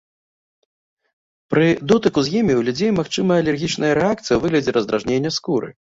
Пры дотыку з імі ў людзей магчымая алергічная рэакцыя ў выглядзе раздражнення скуры.